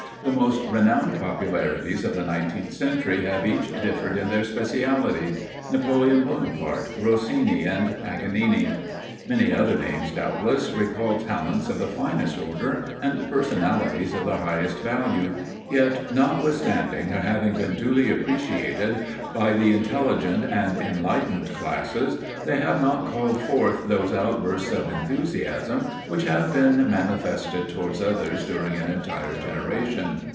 The most renowned popularities of the nineteenth century have each differed in their specialty, Napoleon Bonaparte, Rossini, and Paganini. Many other names, doubtless, recall talents of the finest order, and personalities of the highest value; yet, notwithstanding their having been duly appreciated by the intelligent and enlightened classes, they have not called forth those outbursts of enthusiasm which have been manifested towards others during an entire generation.